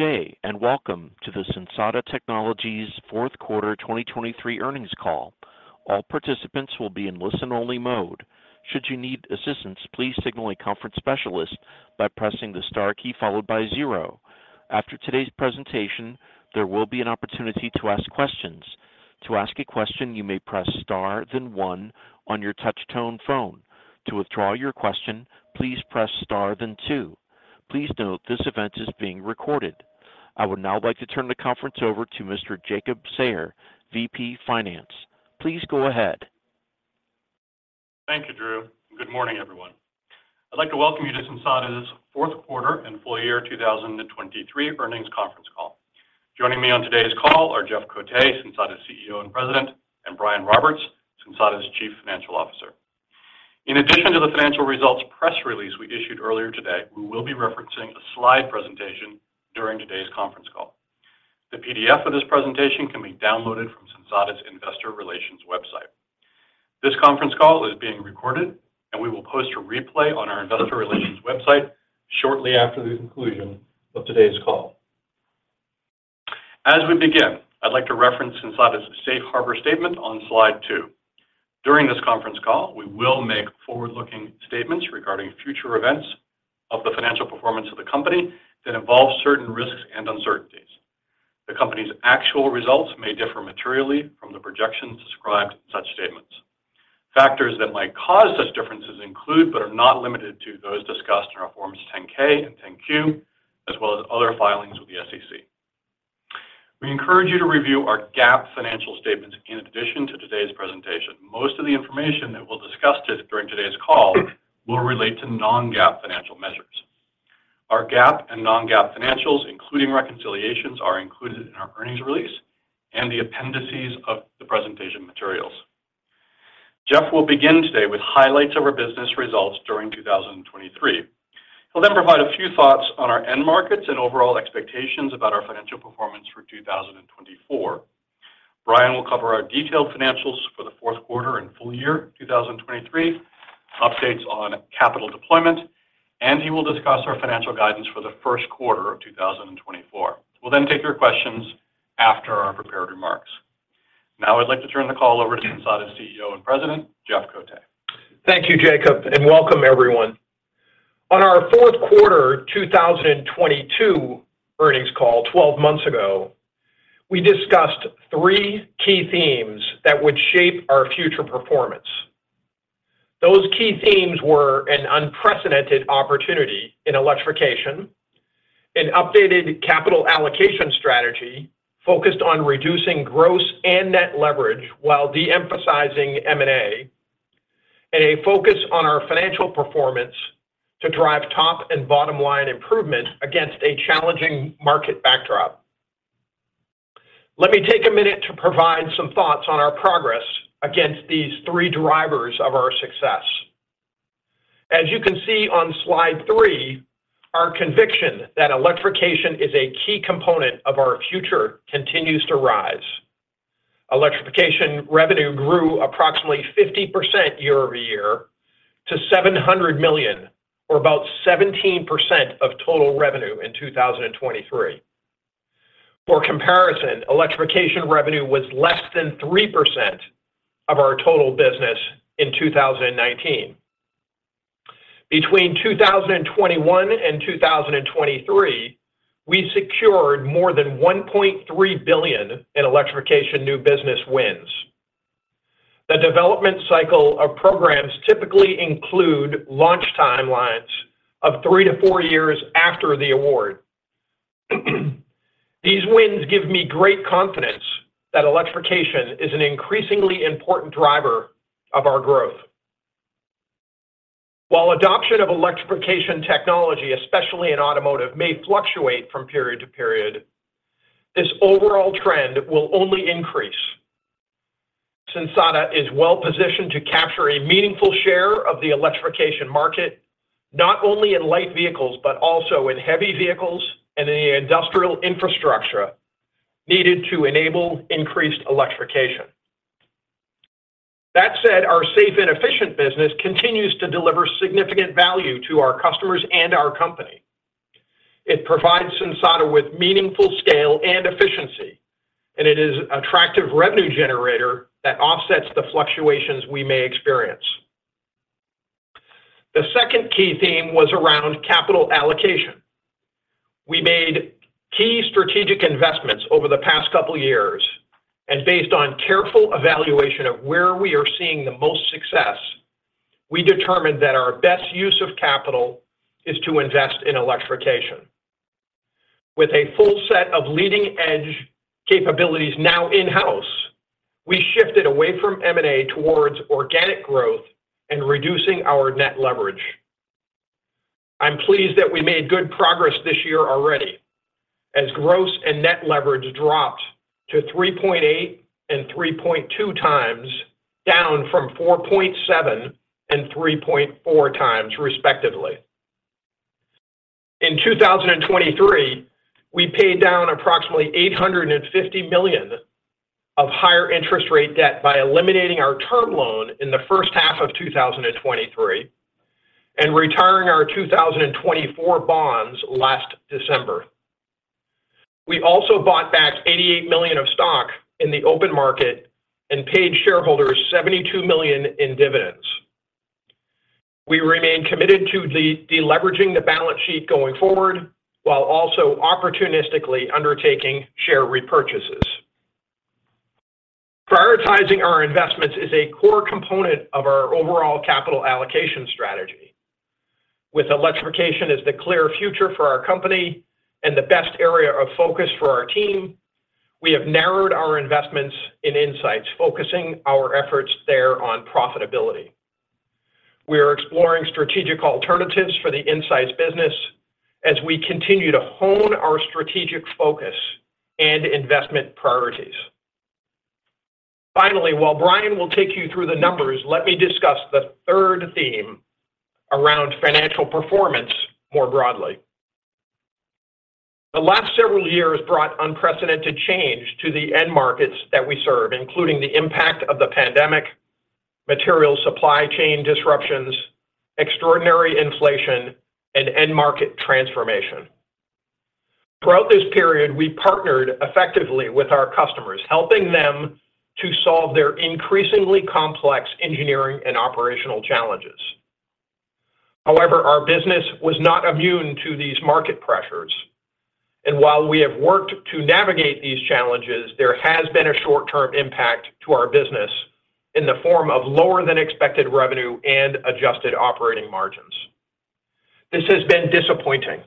Good day, and welcome to the Sensata Technologies fourth quarter 2023 earnings call. All participants will be in listen-only mode. Should you need assistance, please signal a conference specialist by pressing the star key followed by zero. After today's presentation, there will be an opportunity to ask questions. To ask a question, you may press star, then one on your touch tone phone. To withdraw your question, please press star, then two. Please note, this event is being recorded. I would now like to turn the conference over to Mr. Jacob Sayer, VP Finance. Please go ahead. Thank you, Drew, and good morning, everyone. I'd like to welcome you to Sensata's fourth quarter and full year 2023 earnings conference call. Joining me on today's call are Jeff Cote, Sensata's CEO and President, and Brian Roberts, Sensata's Chief Financial Officer. In addition to the financial results press release we issued earlier today, we will be referencing a slide presentation during today's conference call. The PDF of this presentation can be downloaded from Sensata's Investor Relations website. This conference call is being recorded, and we will post a replay on our Investor Relations website shortly after the conclusion of today's call. As we begin, I'd like to reference Sensata's Safe Harbor statement on slide two. During this conference call, we will make forward-looking statements regarding future events of the financial performance of the company that involve certain risks and uncertainties. The company's actual results may differ materially from the projections described in such statements. Factors that might cause such differences include, but are not limited to, those discussed in our Forms 10-K and 10-Q, as well as other filings with the SEC. We encourage you to review our GAAP financial statements in addition to today's presentation. Most of the information that we'll discuss during today's call will relate to non-GAAP financial measures. Our GAAP and non-GAAP financials, including reconciliations, are included in our earnings release and the appendices of the presentation materials. Jeff will begin today with highlights of our business results during 2023. He'll then provide a few thoughts on our end markets and overall expectations about our financial performance for 2024. Brian will cover our detailed financials for the fourth quarter and full year 2023, updates on capital deployment, and he will discuss our financial guidance for the first quarter of 2024. We'll then take your questions after our prepared remarks. Now, I'd like to turn the call over to Sensata's CEO and President, Jeff Cote. Thank you, Jacob, and welcome everyone. On our fourth quarter 2022 earnings call, 12 months ago, we discussed three key themes that would shape our future performance. Those key themes were an unprecedented opportunity in electrification, an updated capital allocation strategy focused on reducing gross and net leverage while de-emphasizing M&A, and a focus on our financial performance to drive top and bottom line improvement against a challenging market backdrop. Let me take a minute to provide some thoughts on our progress against these three drivers of our success. As you can see on slide three, our conviction that electrification is a key component of our future continues to rise. Electrification revenue grew approximately 50% year-over-year to $700 million or about 17% of total revenue in 2023. For comparison, electrification revenue was less than 3% of our total business in 2019. Between 2021 and 2023, we secured more than $1.3 billion in electrification new business wins. The development cycle of programs typically include launch timelines of three-four years after the award. These wins give me great confidence that electrification is an increasingly important driver of our growth. While adoption of electrification technology, especially in automotive, may fluctuate from period to period, this overall trend will only increase. Sensata is well positioned to capture a meaningful share of the electrification market, not only in light vehicles, but also in heavy vehicles and in the industrial infrastructure needed to enable increased electrification. That said, our safe and efficient business continues to deliver significant value to our customers and our company. It provides Sensata with meaningful scale and efficiency, and it is attractive revenue generator that offsets the fluctuations we may experience. The second key theme was around capital allocation. We made key strategic investments over the past couple of years, and based on careful evaluation of where we are seeing the most success, we determined that our best use of capital is to invest in electrification. With a full set of leading-edge capabilities now in-house, we shifted away from M&A towards organic growth and reducing our net leverage. I'm pleased that we made good progress this year already, as gross and net leverage dropped to 3.8 and 3.2 times, down from 4.7 and 3.4 times, respectively. In 2023, we paid down approximately $850 million of higher interest rate debt by eliminating our term loan in the first half of 2023 and retiring our 2024 bonds last December. We also bought back $88 million of stock in the open market and paid shareholders $72 million in dividends. We remain committed to the deleveraging the balance sheet going forward, while also opportunistically undertaking share repurchases. Prioritizing our investments is a core component of our overall capital allocation strategy. With electrification as the clear future for our company and the best area of focus for our team, we have narrowed our investments in Insights, focusing our efforts there on profitability. We are exploring strategic alternatives for the Insights business as we continue to hone our strategic focus and investment priorities. Finally, while Brian will take you through the numbers, let me discuss the third theme around financial performance more broadly. The last several years brought unprecedented change to the end markets that we serve, including the impact of the pandemic, material supply chain disruptions, extraordinary inflation, and end market transformation. Throughout this period, we partnered effectively with our customers, helping them to solve their increasingly complex engineering and operational challenges. However, our business was not immune to these market pressures, and while we have worked to navigate these challenges, there has been a short-term impact to our business in the form of lower-than-expected revenue and adjusted operating margins. This has been disappointing.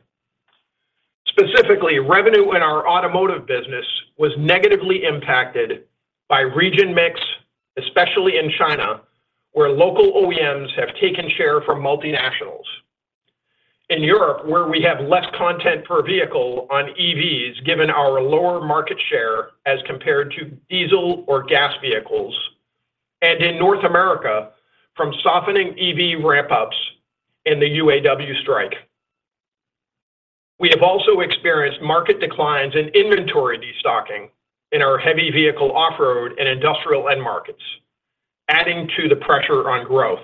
Specifically, revenue in our automotive business was negatively impacted by region mix, especially in China, where local OEMs have taken share from multinationals. In Europe, where we have less content per vehicle on EVs, given our lower market share as compared to diesel or gas vehicles, and in North America, from softening EV ramp-ups in the UAW strike. We have also experienced market declines and inventory destocking in our heavy vehicle off-road and industrial end markets, adding to the pressure on growth.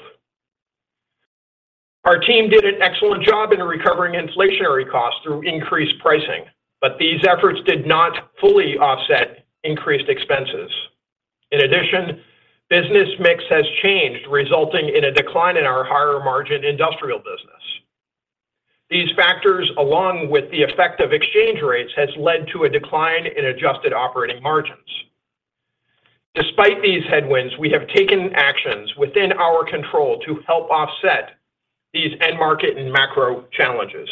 Our team did an excellent job in recovering inflationary costs through increased pricing, but these efforts did not fully offset increased expenses. In addition, business mix has changed, resulting in a decline in our higher-margin industrial business. These factors, along with the effect of exchange rates, has led to a decline in adjusted operating margins. Despite these headwinds, we have taken actions within our control to help offset these end market and macro challenges.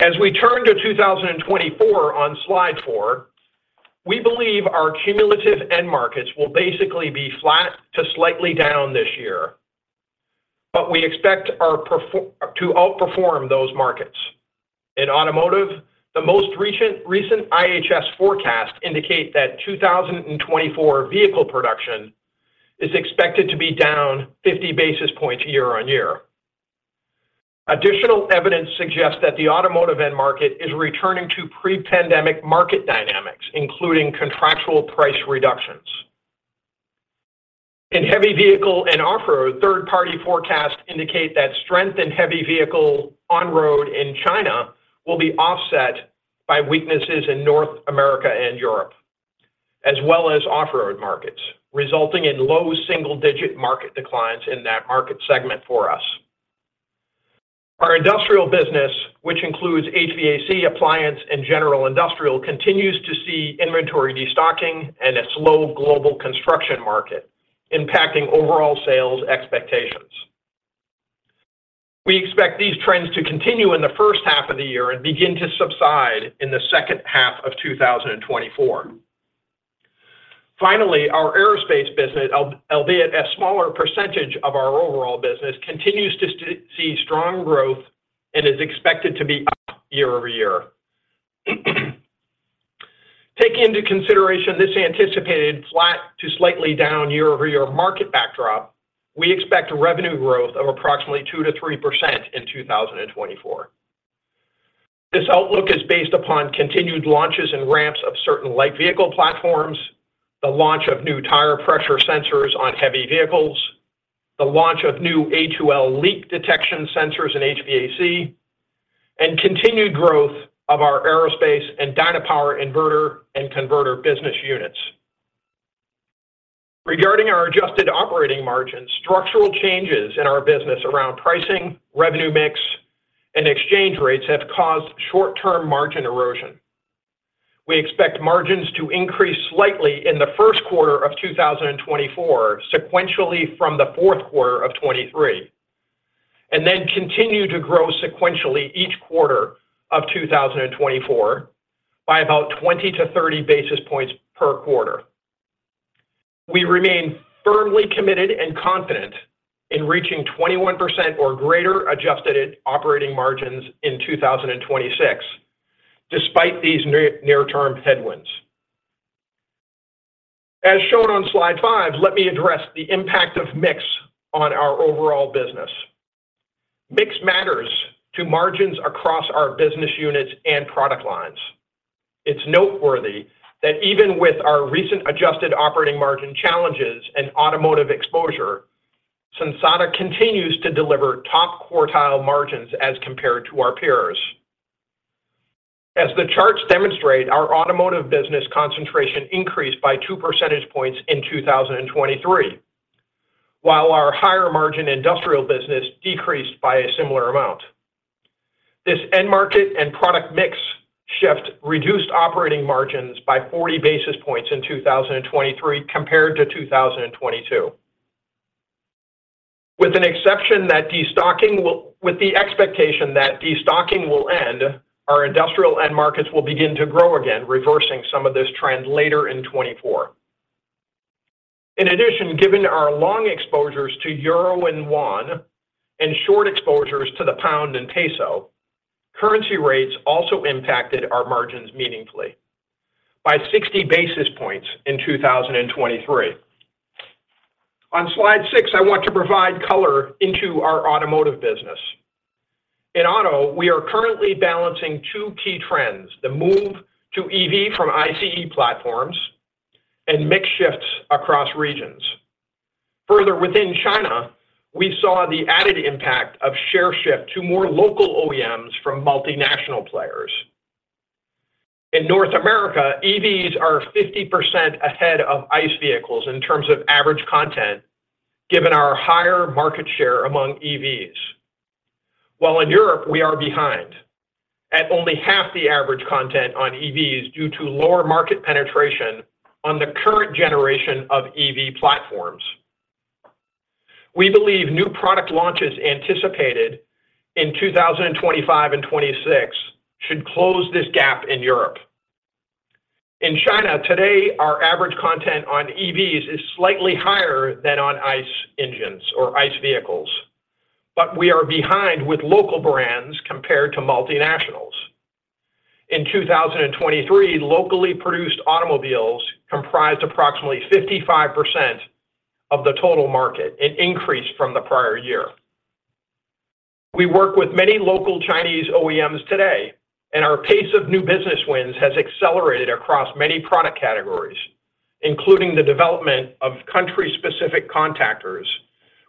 As we turn to 2024 on slide four, we believe our cumulative end markets will basically be flat to slightly down this year, but we expect our performance to outperform those markets. In automotive, the most recent IHS forecast indicates that 2024 vehicle production is expected to be down 50 basis points year-on-year. Additional evidence suggests that the automotive end market is returning to pre-pandemic market dynamics, including contractual price reductions. In heavy vehicle and off-road, third-party forecasts indicate that strength in heavy vehicle on-road in China will be offset by weaknesses in North America and Europe, as well as off-road markets, resulting in low single-digit market declines in that market segment for us. Our industrial business, which includes HVAC, appliance, and general industrial, continues to see inventory destocking and a slow global construction market impacting overall sales expectations. We expect these trends to continue in the first half of the year and begin to subside in the second half of 2024. Finally, our aerospace business, albeit a smaller percentage of our overall business, continues to see strong growth and is expected to be up year-over-year. Taking into consideration this anticipated flat to slightly down year-over-year market backdrop, we expect revenue growth of approximately 2%-3% in 2024. This outlook is based upon continued launches and ramps of certain light vehicle platforms, the launch of new tire pressure sensors on heavy vehicles, the launch of new A2L leak detection sensors in HVAC, and continued growth of our aerospace and Dynapower inverter and converter business units. Regarding our adjusted operating margins, structural changes in our business around pricing, revenue mix, and exchange rates have caused short-term margin erosion. We expect margins to increase slightly in the first quarter of 2024, sequentially from the fourth quarter of 2023, and then continue to grow sequentially each quarter of 2024 by about 20-30 basis points per quarter. We remain firmly committed and confident in reaching 21% or greater adjusted operating margins in 2026, despite these near-term headwinds. As shown on slide five, let me address the impact of mix on our overall business. Mix matters to margins across our business units and product lines. It's noteworthy that even with our recent adjusted operating margin challenges and automotive exposure, Sensata continues to deliver top-quartile margins as compared to our peers. As the charts demonstrate, our automotive business concentration increased by 2 percentage points in 2023, while our higher-margin industrial business decreased by a similar amount. This end market and product mix shift reduced operating margins by 40 basis points in 2023 compared to 2022. With the expectation that destocking will end, our industrial end markets will begin to grow again, reversing some of this trend later in 2024. In addition, given our long exposures to euro and won, and short exposures to the pound and peso, currency rates also impacted our margins meaningfully by 60 basis points in 2023. On slide six, I want to provide color into our automotive business. In auto, we are currently balancing two key trends: the move to EV from ICE platforms and mix shifts across regions. Further, within China, we saw the added impact of share shift to more local OEMs from multinational players. In North America, EVs are 50% ahead of ICE vehicles in terms of average content, given our higher market share among EVs. While in Europe, we are behind at only half the average content on EVs due to lower market penetration on the current generation of EV platforms. We believe new product launches anticipated in 2025 and 2026 should close this gap in Europe. In China, today, our average content on EVs is slightly higher than on ICE engines or ICE vehicles, but we are behind with local brands compared to multinationals. In 2023, locally produced automobiles comprised approximately 55% of the total market, an increase from the prior year. We work with many local Chinese OEMs today, and our pace of new business wins has accelerated across many product categories, including the development of country-specific contactors,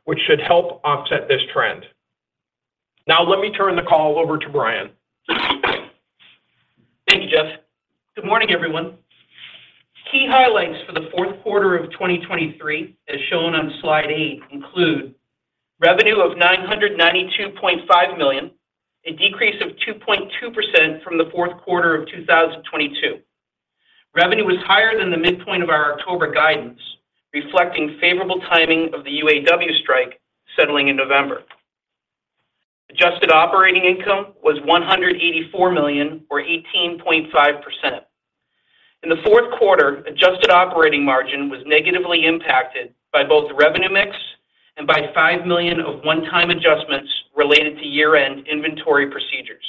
which should help offset this trend. Now, let me turn the call over to Brian. Thank you, Jeff. Good morning, everyone. Key highlights for the fourth quarter of 2023, as shown on Slide 8, include revenue of $992.5 million, a decrease of 2.2% from the fourth quarter of 2022. Revenue was higher than the midpoint of our October guidance, reflecting favorable timing of the UAW strike, settling in November. Adjusted operating income was $184 million, or 18.5%. In the fourth quarter, adjusted operating margin was negatively impacted by both revenue mix and by $5 million of one-time adjustments related to year-end inventory procedures.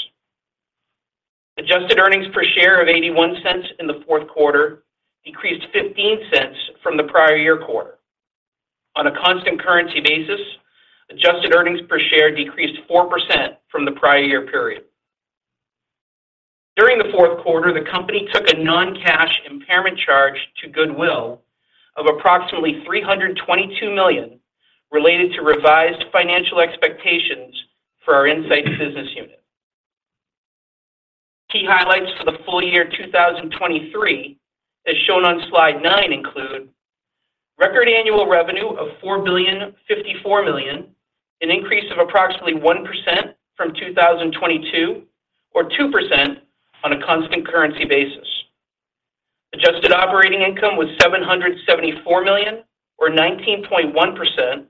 Adjusted earnings per share of $0.81 in the fourth quarter increased $0.15 from the prior year quarter. On a constant currency basis, adjusted earnings per share decreased 4% from the prior year period. During the fourth quarter, the company took a non-cash impairment charge to goodwill of approximately $322 million, related to revised financial expectations for our Insights business unit. Key highlights for the full year 2023, as shown on Slide nine, include record annual revenue of $4.054 billion, an increase of approximately 1% from 2022, or 2% on a constant currency basis. Adjusted operating income was $774 million, or 19.1%,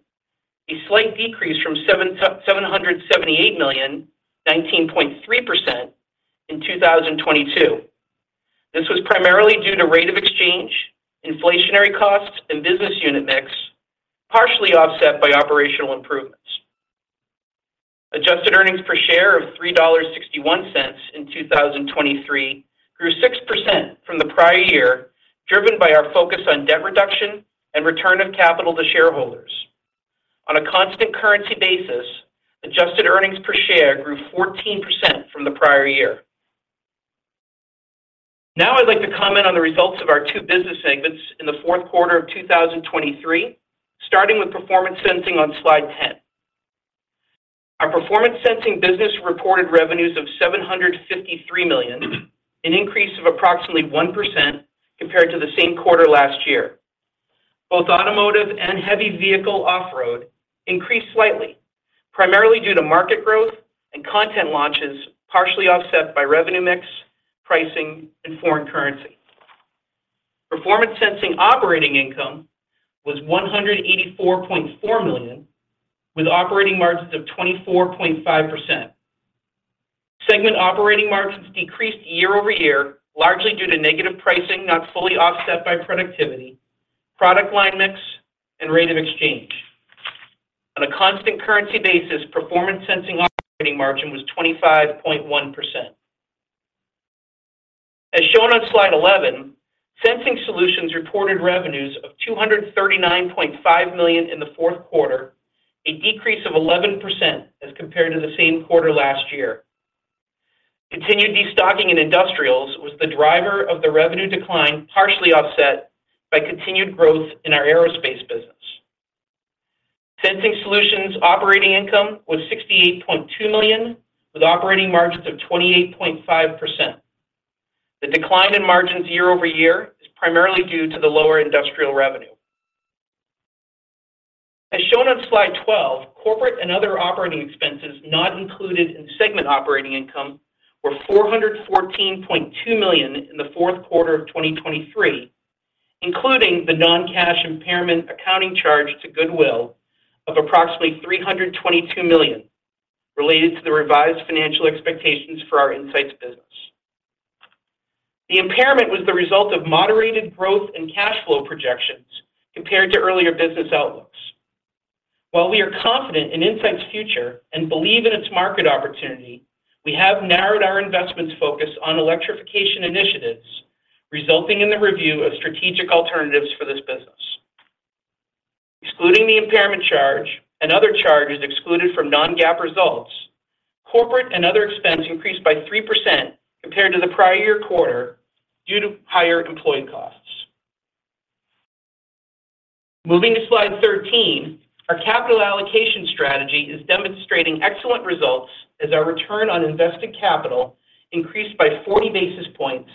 a slight decrease from $778 million, 19.3% in 2022. This was primarily due to rate of exchange, inflationary costs, and business unit mix, partially offset by operational improvements. Adjusted earnings per share of $3.61 in 2023 grew 6% from the prior year, driven by our focus on debt reduction and return of capital to shareholders. On a constant currency basis, adjusted earnings per share grew 14% from the prior year. Now, I'd like to comment on the results of our two business segments in the fourth quarter of 2023, starting with Performance Sensing on slide 10. Our Performance Sensing business reported revenues of $753 million, an increase of approximately 1% compared to the same quarter last year. Both automotive and heavy vehicle off-road increased slightly, primarily due to market growth and content launches, partially offset by revenue mix, pricing, and foreign currency. Performance Sensing operating income was $184.4 million, with operating margins of 24.5%. Segment operating margins decreased year-over-year, largely due to negative pricing, not fully offset by productivity, product line mix, and rate of exchange. On a constant currency basis, Performance Sensing operating margin was 25.1%. As shown on slide 11, Sensing Solutions reported revenues of $239.5 million in the fourth quarter, a decrease of 11% as compared to the same quarter last year. Continued destocking in industrials was the driver of the revenue decline, partially offset by continued growth in our aerospace business. Sensing Solutions operating income was $68.2 million, with operating margins of 28.5%. The decline in margins year-over-year is primarily due to the lower industrial revenue. As shown on slide 12, corporate and other operating expenses not included in segment operating income were $414.2 million in the fourth quarter of 2023, including the non-cash impairment accounting charge to goodwill of approximately $322 million, related to the revised financial expectations for our Insights business. The impairment was the result of moderated growth and cash flow projections compared to earlier business outlooks. While we are confident in Insights' future and believe in its market opportunity, we have narrowed our investments focus on electrification initiatives, resulting in the review of strategic alternatives for this business. Excluding the impairment charge and other charges excluded from non-GAAP results, corporate and other expense increased by 3% compared to the prior year quarter due to higher employee costs. Moving to slide 13, our capital allocation strategy is demonstrating excellent results as our return on invested capital increased by 40 basis points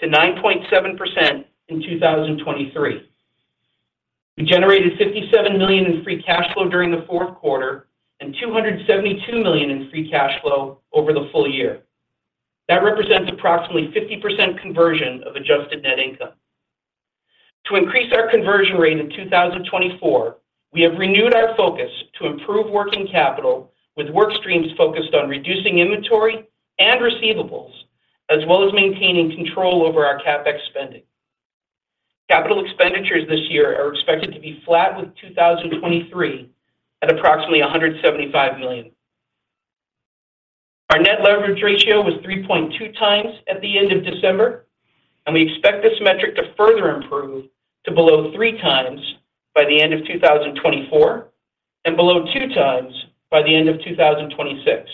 to 9.7% in 2023. We generated $57 million in free cash flow during the fourth quarter and $272 million in free cash flow over the full year. That represents approximately 50% conversion of adjusted net income. To increase our conversion rate in 2024, we have renewed our focus to improve working capital, with work streams focused on reducing inventory and receivables, as well as maintaining control over our CapEx spending. Capital expenditures this year are expected to be flat with 2023, at approximately $175 million. Our net leverage ratio was 3.2x at the end of December, and we expect this metric to further improve to below 3x by the end of 2024, and below 2x by the end of 2026.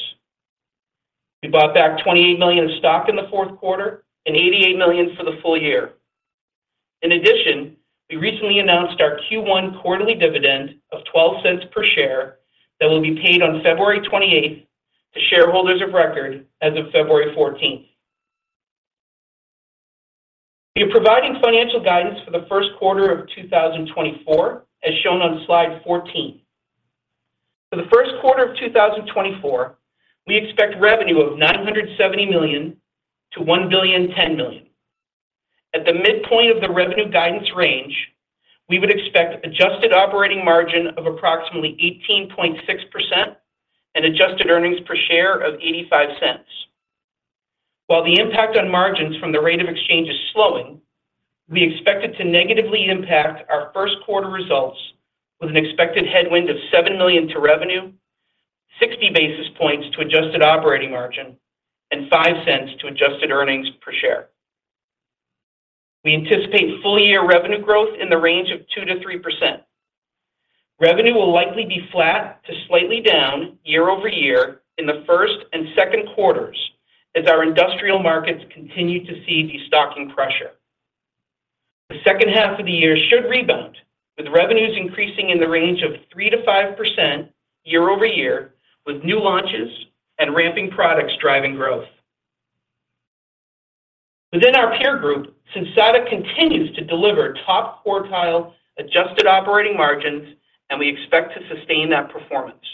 We bought back $28 million in stock in the fourth quarter and $88 million for the full year. In addition, we recently announced our Q1 quarterly dividend of $0.12 per share that will be paid on February 28 to shareholders of record as of February 14. We are providing financial guidance for the first quarter of 2024, as shown on slide 14. For the first quarter of 2024, we expect revenue of $970 million-$1.01 billion. At the midpoint of the revenue guidance range, we would expect adjusted operating margin of approximately 18.6% and adjusted earnings per share of $0.85. While the impact on margins from the rate of exchange is slowing, we expect it to negatively impact our first quarter results with an expected headwind of $7 million to revenue, 60 basis points to adjusted operating margin, and $0.05 to adjusted earnings per share. We anticipate full-year revenue growth in the range of 2%-3%. Revenue will likely be flat to slightly down year-over-year in the first and second quarters as our industrial markets continue to see destocking pressure. The second half of the year should rebound, with revenues increasing in the range of 3%-5% year-over-year, with new launches and ramping products driving growth. Within our peer group, Sensata continues to deliver top quartile adjusted operating margins, and we expect to sustain that performance.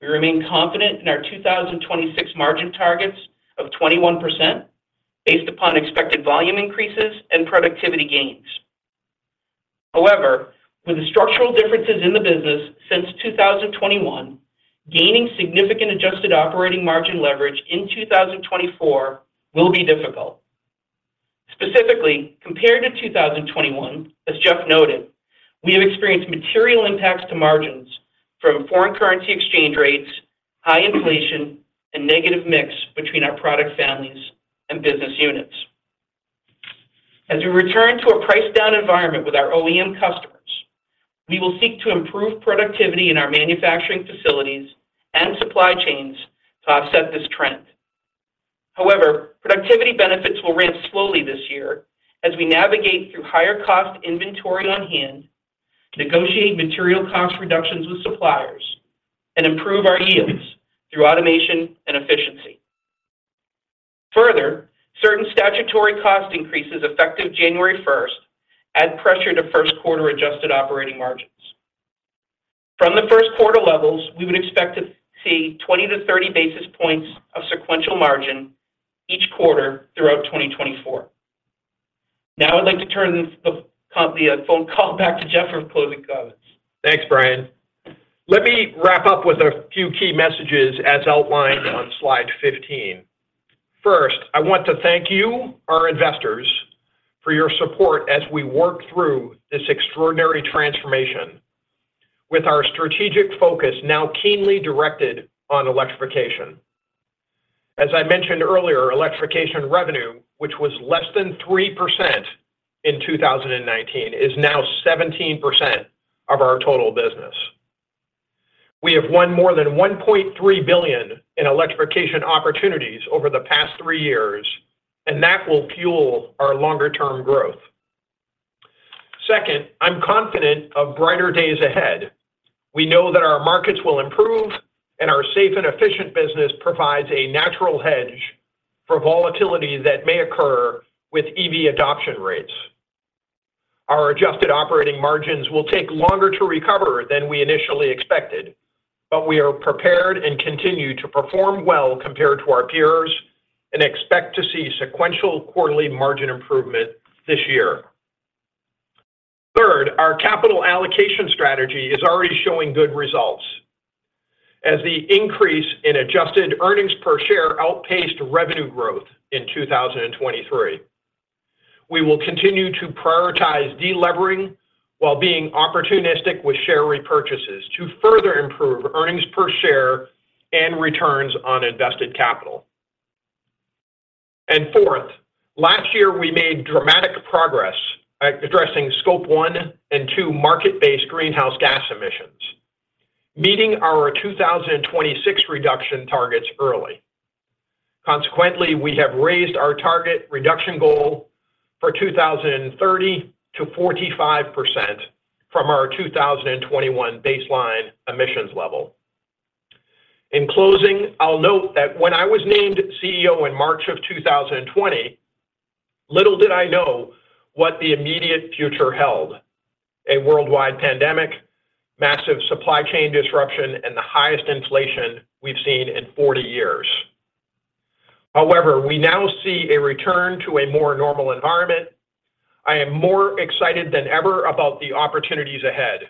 We remain confident in our 2026 margin targets of 21%, based upon expected volume increases and productivity gains. However, with the structural differences in the business since 2021, gaining significant adjusted operating margin leverage in 2024 will be difficult. Specifically, compared to 2021, as Jeff noted, we have experienced material impacts to margins from foreign currency exchange rates, high inflation, and negative mix between our product families and business units. As we return to a priced-down environment with our OEM customers, we will seek to improve productivity in our manufacturing facilities and supply chains to offset this trend. However, productivity benefits will ramp slowly this year as we navigate through higher cost inventory on hand, negotiate material cost reductions with suppliers, and improve our yields through automation and efficiency. Further, certain statutory cost increases effective January 1 add pressure to first quarter adjusted operating margins. From the first quarter levels, we would expect to see 20-30 basis points of sequential margin each quarter throughout 2024. Now, I'd like to turn the phone call back to Jeff for closing comments. Thanks, Brian. Let me wrap up with a few key messages as outlined on slide 15. First, I want to thank you, our investors, for your support as we work through this extraordinary transformation.... with our strategic focus now keenly directed on electrification. As I mentioned earlier, electrification revenue, which was less than 3% in 2019, is now 17% of our total business. We have won more than $1.3 billion in electrification opportunities over the past three years, and that will fuel our longer-term growth. Second, I'm confident of brighter days ahead. We know that our markets will improve, and our safe and efficient business provides a natural hedge for volatility that may occur with EV adoption rates. Our adjusted operating margins will take longer to recover than we initially expected, but we are prepared and continue to perform well compared to our peers and expect to see sequential quarterly margin improvement this year. Third, our capital allocation strategy is already showing good results as the increase in adjusted earnings per share outpaced revenue growth in 2023. We will continue to prioritize delevering while being opportunistic with share repurchases to further improve earnings per share and returns on invested capital. And fourth, last year, we made dramatic progress at addressing Scope 1 and 2 market-based greenhouse gas emissions, meeting our 2026 reduction targets early. Consequently, we have raised our target reduction goal for 2030 to 45% from our 2021 baseline emissions level. In closing, I'll note that when I was named CEO in March 2020, little did I know what the immediate future held: a worldwide pandemic, massive supply chain disruption, and the highest inflation we've seen in 40 years. However, we now see a return to a more normal environment. I am more excited than ever about the opportunities ahead.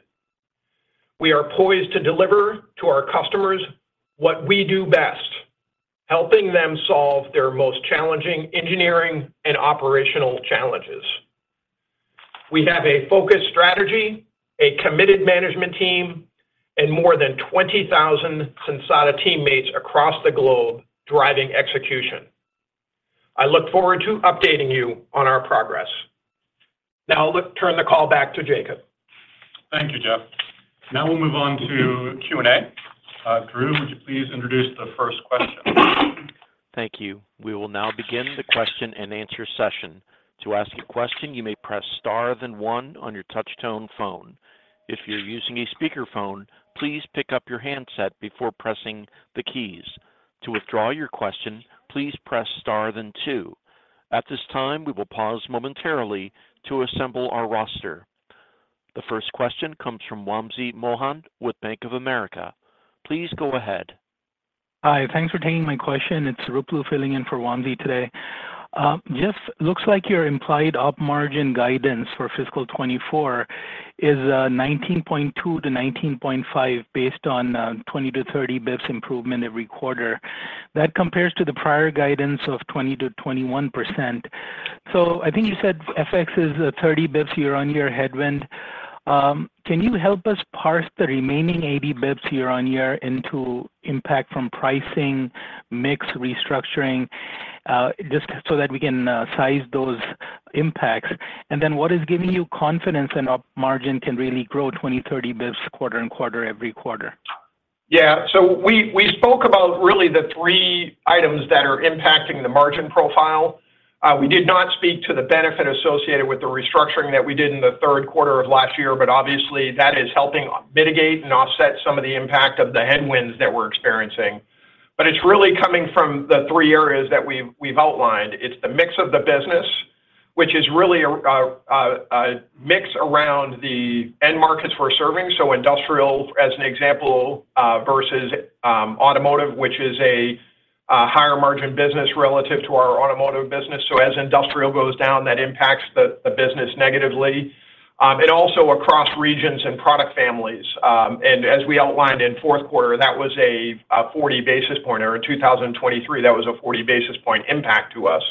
We are poised to deliver to our customers what we do best, helping them solve their most challenging engineering and operational challenges. We have a focused strategy, a committed management team, and more than 20,000 Sensata teammates across the globe driving execution. I look forward to updating you on our progress. Now, I'll turn the call back to Jacob. Thank you, Jeff. Now we'll move on to Q&A. Drew, would you please introduce the first question? Thank you. We will now begin the question and answer session. To ask a question, you may press star, then one on your touch tone phone. If you're using a speakerphone, please pick up your handset before pressing the keys. To withdraw your question, please press star, then two. At this time, we will pause momentarily to assemble our roster. The first question comes from Wamsi Mohan with Bank of America. Please go ahead. Hi, thanks for taking my question. It's Ruplu filling in for Wamsi today. Just looks like your implied operating margin guidance for fiscal 2024 is 19.2%-19.5%, based on 20-30 basis points improvement every quarter. That compares to the prior guidance of 20%-21%. So I think you said FX is a 30 basis points year-on-year headwind. Can you help us parse the remaining 80 basis points year-on-year into impact from pricing, mix restructuring, just so that we can size those impacts? And then what is giving you confidence in operating margin can really grow 20-30 basis points quarter and quarter every quarter? Yeah. So we spoke about really the three items that are impacting the margin profile. We did not speak to the benefit associated with the restructuring that we did in the third quarter of last year, but obviously, that is helping mitigate and offset some of the impact of the headwinds that we're experiencing. But it's really coming from the three areas that we've outlined. It's the mix of the business, which is really a mix around the end markets we're serving. So industrial, as an example, versus automotive, which is a higher margin business relative to our automotive business. So as industrial goes down, that impacts the business negatively, and also across regions and product families. And as we outlined in fourth quarter, that was a 40 basis point, or in 2023, that was a 40 basis point impact to us.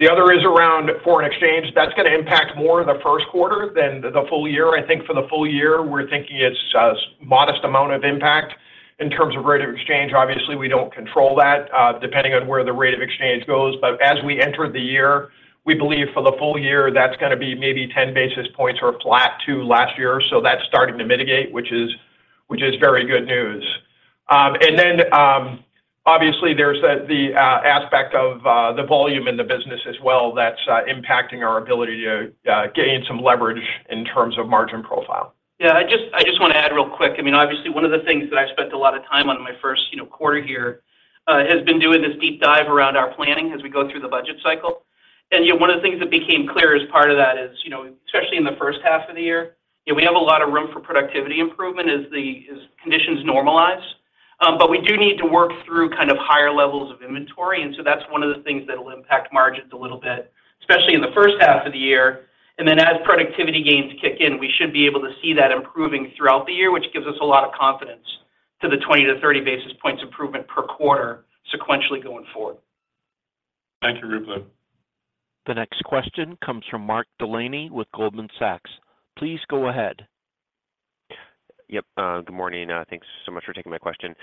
The other is around foreign exchange. That's gonna impact more the first quarter than the full year. I think for the full year, we're thinking it's a modest amount of impact in terms of rate of exchange. Obviously, we don't control that, depending on where the rate of exchange goes. But as we enter the year, we believe for the full year, that's gonna be maybe 10 basis points or flat to last year. So that's starting to mitigate, which is very good news. And then, obviously, there's the aspect of the volume in the business as well that's impacting our ability to gain some leverage in terms of margin profile. Yeah, I just want to add real quick. I mean, obviously, one of the things that I spent a lot of time on in my first, you know, quarter here has been doing this deep dive around our planning as we go through the budget cycle. You know, one of the things that became clear as part of that is, you know, especially in the first half of the year, you know, we have a lot of room for productivity improvement as conditions normalize. But we do need to work through kind of higher levels of inventory, and so that's one of the things that will impact margins a little bit, especially in the first half of the year. And then as productivity gains kick in, we should be able to see that improving throughout the year, which gives us a lot of confidence to the 20-30 basis points improvement per quarter, sequentially going forward.... Thank you, Ruplu. The next question comes from Mark Delaney with Goldman Sachs. Please go ahead. Yep, good morning. Thanks so much for taking my question.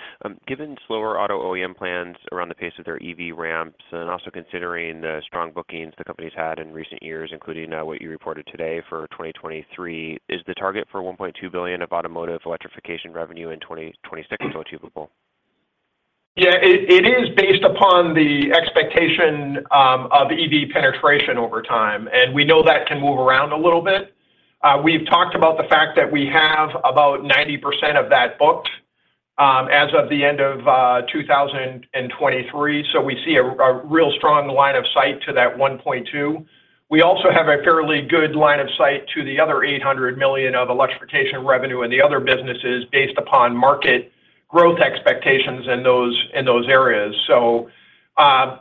Given slower auto OEM plans around the pace of their EV ramps, and also considering the strong bookings the company's had in recent years, including what you reported today for 2023, is the target for $1.2 billion of automotive electrification revenue in 2026 still achievable? Yeah, it is based upon the expectation of EV penetration over time, and we know that can move around a little bit. We've talked about the fact that we have about 90% of that booked, as of the end of 2023. So we see a real strong line of sight to that $1.2 billion. We also have a fairly good line of sight to the other $800 million of electrification revenue in the other businesses based upon market growth expectations in those areas. So,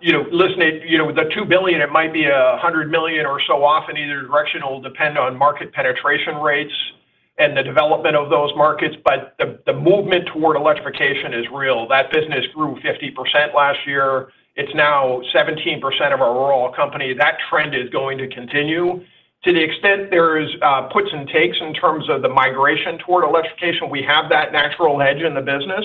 you know, the $2 billion, it might be $100 million or so off in either direction. It will depend on market penetration rates and the development of those markets. But the movement toward electrification is real. That business grew 50% last year. It's now 17% of our overall company. That trend is going to continue. To the extent there is puts and takes in terms of the migration toward electrification, we have that natural hedge in the business,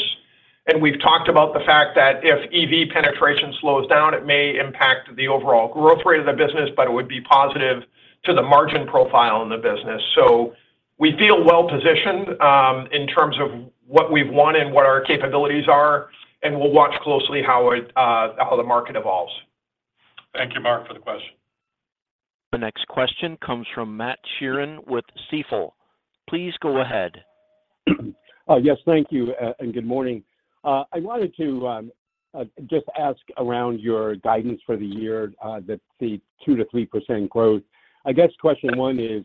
and we've talked about the fact that if EV penetration slows down, it may impact the overall growth rate of the business, but it would be positive to the margin profile in the business. So we feel well positioned in terms of what we've won and what our capabilities are, and we'll watch closely how the market evolves. Thank you, Mark, for the question. The next question comes from Matt Sheerin with Stifel. Please go ahead. Yes, thank you, and good morning. I wanted to just ask around your guidance for the year, that the 2%-3% growth. I guess question one is,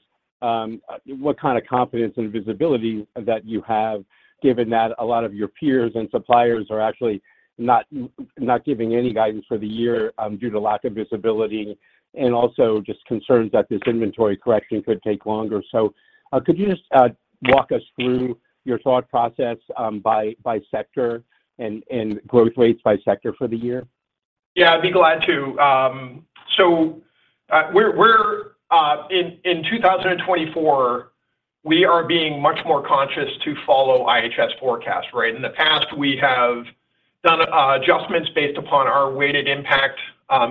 what kind of confidence and visibility that you have, given that a lot of your peers and suppliers are actually not, not giving any guidance for the year, due to lack of visibility, and also just concerns that this inventory correction could take longer. So, could you just walk us through your thought process, by sector and growth rates by sector for the year? Yeah, I'd be glad to. So, we're, we're, in 2024, we are being much more conscious to follow IHS forecast, right? In the past, we have done, adjustments based upon our weighted impact,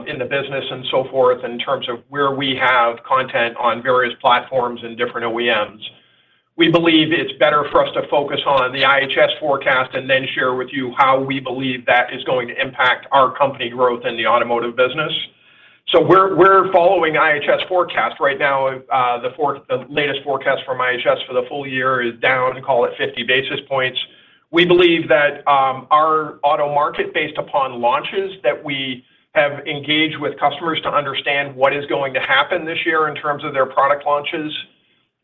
in the business and so forth, in terms of where we have content on various platforms and different OEMs. We believe it's better for us to focus on the IHS forecast and then share with you how we believe that is going to impact our company growth in the automotive business. So we're, we're following IHS forecast. Right now, the latest forecast from IHS for the full year is down, call it 50 basis points. We believe that our auto market, based upon launches, that we have engaged with customers to understand what is going to happen this year in terms of their product launches,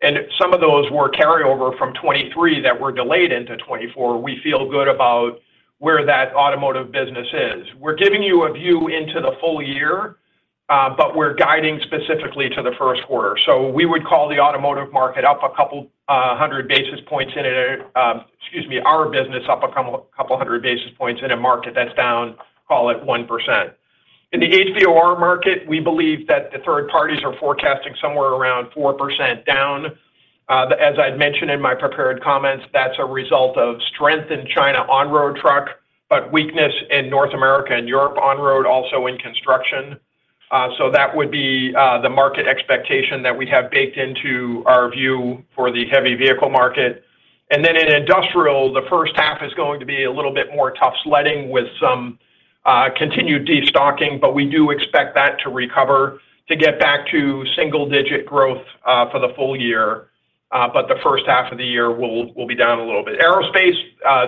and some of those were carryover from 2023 that were delayed into 2024. We feel good about where that automotive business is. We're giving you a view into the full year, but we're guiding specifically to the first quarter. So we would call the automotive market up a couple hundred basis points in it, excuse me, our business up a couple hundred basis points in a market that's down, call it 1%. In the HVOR market, we believe that the third parties are forecasting somewhere around 4% down. As I'd mentioned in my prepared comments, that's a result of strength in China on-road truck, but weakness in North America and Europe on-road, also in construction. So that would be the market expectation that we have baked into our view for the heavy vehicle market. And then in industrial, the first half is going to be a little bit more tough sledding with some continued destocking, but we do expect that to recover, to get back to single-digit growth for the full year. But the first half of the year will be down a little bit. Aerospace,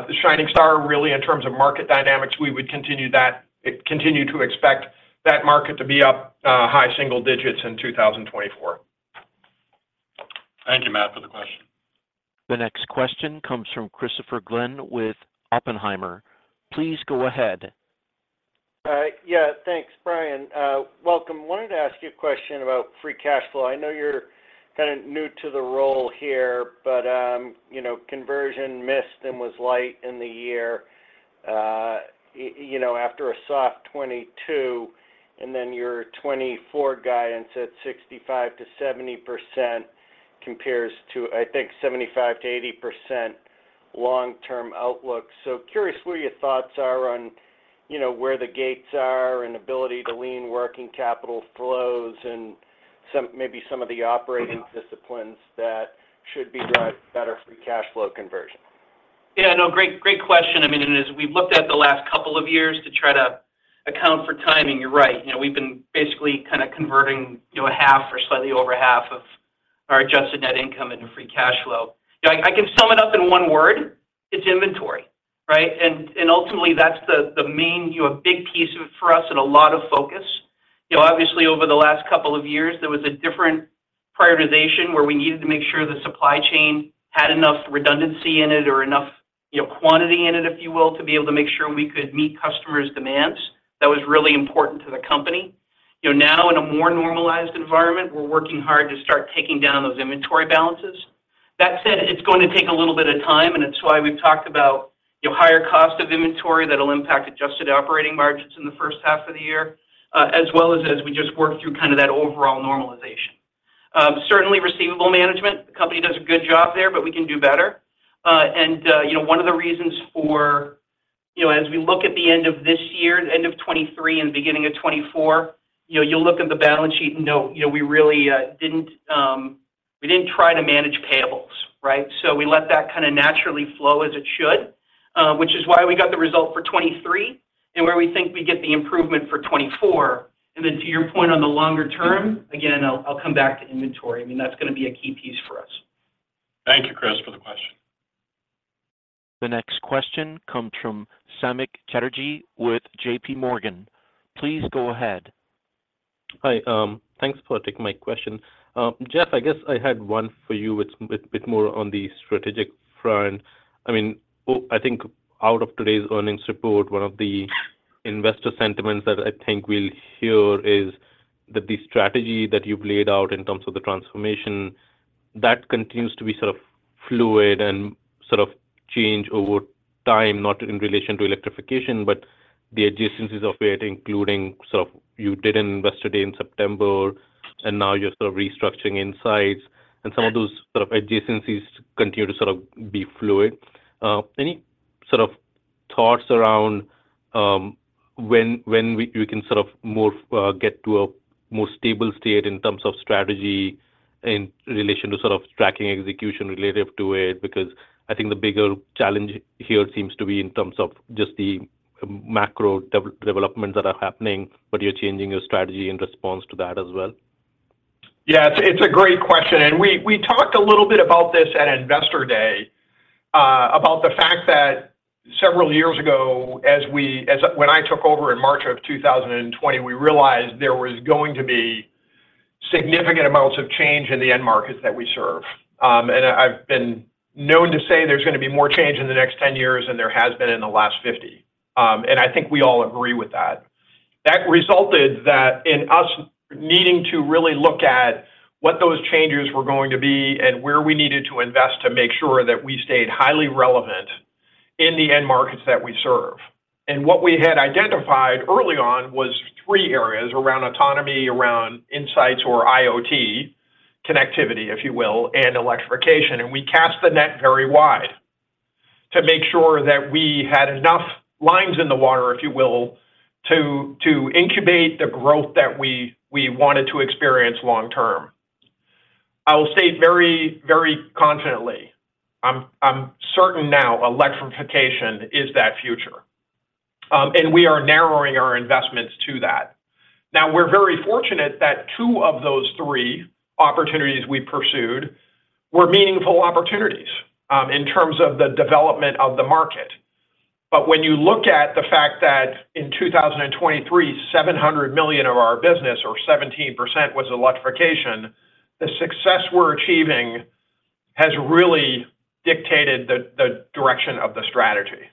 the shining star, really, in terms of market dynamics, we would continue to expect that market to be up high single digits in 2024. Thank you, Matt, for the question. The next question comes from Christopher Glynn with Oppenheimer. Please go ahead. Yeah, thanks, Brian. Welcome. Wanted to ask you a question about free cash flow. I know you're kind of new to the role here, but, you know, conversion missed and was light in the year, you know, after a soft 2022, and then your 2024 guidance at 65%-70% compares to, I think, 75%-80% long-term outlook. So curious what your thoughts are on, you know, where the gates are and ability to lean working capital flows and some, maybe some of the operating disciplines that should be drive better free cash flow conversion. Yeah, no, great, great question. I mean, and as we've looked at the last couple of years to try to account for timing, you're right. You know, we've been basically kind of converting, you know, a half or slightly over half of our adjusted net income into free cash flow. You know, I can sum it up in one word: it's inventory, right? And ultimately, that's the main, you know, big piece of it for us and a lot of focus. You know, obviously, over the last couple of years, there was a different prioritization where we needed to make sure the supply chain had enough redundancy in it or enough, you know, quantity in it, if you will, to be able to make sure we could meet customers' demands. That was really important to the company. You know, now, in a more normalized environment, we're working hard to start taking down those inventory balances.... That said, it's going to take a little bit of time, and it's why we've talked about, you know, higher cost of inventory that'll impact adjusted operating margins in the first half of the year, as well as, as we just work through kind of that overall normalization. Certainly receivable management, the company does a good job there, but we can do better. You know, one of the reasons for, you know, as we look at the end of this year, the end of 2023 and beginning of 2024, you know, you'll look at the balance sheet and know, you know, we really, didn't, we didn't try to manage payables, right? So we let that kind of naturally flow as it should, which is why we got the result for 2023 and where we think we get the improvement for 2024. And then to your point on the longer term, again, I'll, I'll come back to inventory. I mean, that's gonna be a key piece for us. Thank you, Chris, for the question. The next question comes from Samik Chatterjee with JPMorgan. Please go ahead. Hi, thanks for taking my question. Jeff, I guess I had one for you, it's a bit more on the strategic front. I mean, oh, I think out of today's earnings report, one of the investor sentiments that I think we'll hear is that the strategy that you've laid out in terms of the transformation, that continues to be sort of fluid and sort of change over time, not in relation to electrification, but the adjacencies of it, including... So you did invested in September, and now you're sort of restructuring Insights, and some of those sort of adjacencies continue to sort of be fluid. Any sort of thoughts around, when you can sort of more get to a more stable state in terms of strategy in relation to sort of tracking execution relative to it? Because I think the bigger challenge here seems to be in terms of just the macro developments that are happening, but you're changing your strategy in response to that as well. Yeah, it's a great question, and we talked a little bit about this at Investor Day, about the fact that several years ago, as when I took over in March of 2020, we realized there was going to be significant amounts of change in the end markets that we serve. And I've been known to say there's gonna be more change in the next 10 years than there has been in the last 50, and I think we all agree with that. That resulted in us needing to really look at what those changes were going to be and where we needed to invest to make sure that we stayed highly relevant in the end markets that we serve. What we had identified early on was three areas around autonomy, around Insights or IoT, connectivity, if you will, and electrification. We cast the net very wide to make sure that we had enough lines in the water, if you will, to incubate the growth that we wanted to experience long term. I will say very, very confidently, I'm certain now electrification is that future, and we are narrowing our investments to that. Now, we're very fortunate that two of those three opportunities we pursued were meaningful opportunities, in terms of the development of the market. But when you look at the fact that in 2023, $700 million of our business or 17% was electrification, the success we're achieving has really dictated the direction of the strategy.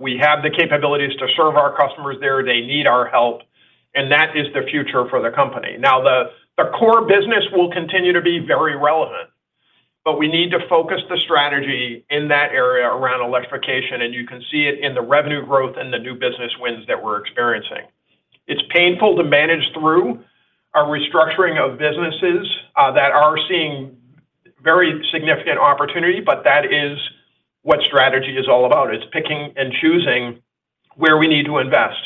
We have the capabilities to serve our customers there. They need our help, and that is the future for the company. Now, the core business will continue to be very relevant, but we need to focus the strategy in that area around electrification, and you can see it in the revenue growth and the new business wins that we're experiencing. It's painful to manage through our restructuring of businesses that are seeing very significant opportunity, but that is what strategy is all about. It's picking and choosing where we need to invest.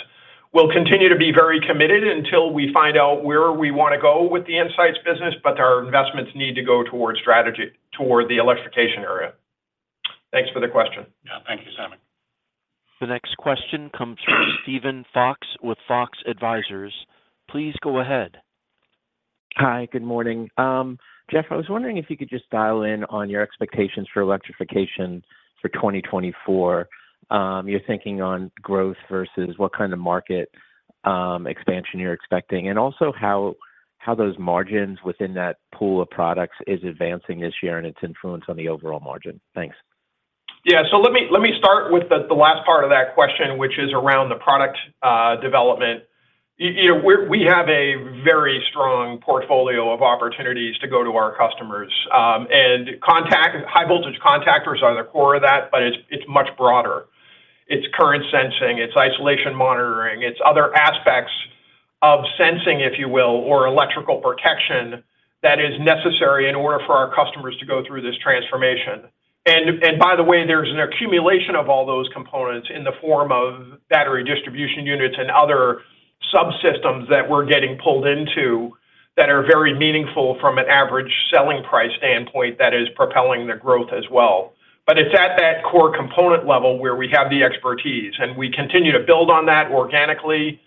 We'll continue to be very committed until we find out where we wanna go with the Insights business, but our investments need to go towards strategy, toward the electrification area. Thanks for the question. Yeah. Thank you, Samik. The next question comes from Steven Fox with Fox Advisors. Please go ahead. Hi, good morning. Jeff, I was wondering if you could just dial in on your expectations for electrification for 2024. You're thinking on growth versus what kind of market expansion you're expecting, and also how those margins within that pool of products is advancing this year and its influence on the overall margin. Thanks. Yeah, so let me, let me start with the last part of that question, which is around the product development. You, you know, we're, we have a very strong portfolio of opportunities to go to our customers, and high voltage contactors are the core of that, but it's, it's much broader. It's current sensing, it's isolation monitoring, it's other aspects of sensing, if you will, or electrical protection that is necessary in order for our customers to go through this transformation. And by the way, there's an accumulation of all those components in the form of battery distribution units and other subsystems that we're getting pulled into that are very meaningful from an average selling price standpoint that is propelling the growth as well. But it's at that core component level where we have the expertise, and we continue to build on that organically,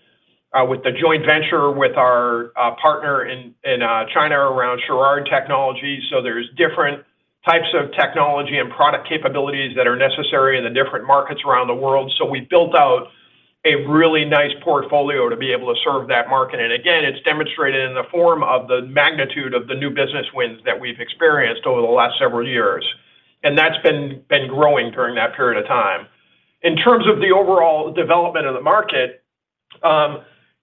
with the joint venture, with our partner in, in China around Churod Electronics. So there's different types of technology and product capabilities that are necessary in the different markets around the world. So we built out a really nice portfolio to be able to serve that market. And again, it's demonstrated in the form of the magnitude of the new business wins that we've experienced over the last several years, and that's been growing during that period of time. In terms of the overall development of the market...